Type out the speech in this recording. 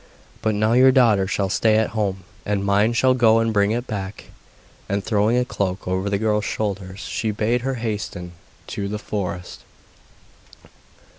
But now your daughter shall stay at home, and mine shall go and bring it back'; and throwing a cloak over the girl's shoulders, she bade her hasten to the forest.